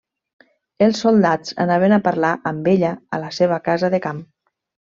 Els soldats anaven a parlar amb ella a la seva casa de camp.